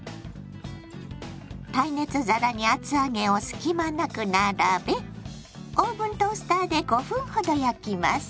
耐熱皿に厚揚げを隙間なく並べオーブントースターで５分ほど焼きます。